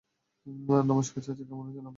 নমষ্কার চাচা, কেমন আছেন আপনারা?